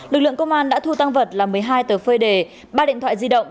lực lượng công an đã thu tăng vật là một mươi hai tờ phơi đề ba điện thoại di động